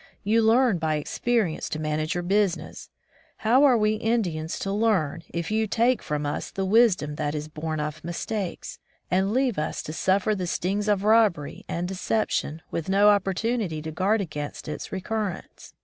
You learn by experience to manage your business. How are we Indians to learn if you take from us the wisdom that is bom of mistakes, and leave us to suffer the stings of robbery and deception, with no opportimity to guard against its recur rence?